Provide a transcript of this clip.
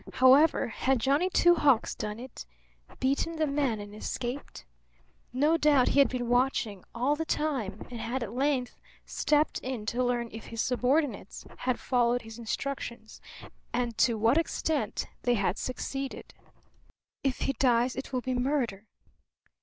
However, had Johnny Two Hawks done it beaten the man and escaped? No doubt he had been watching all the time and had at length stepped in to learn if his subordinates had followed his instructions and to what extent they had succeeded. "If he dies it will be murder."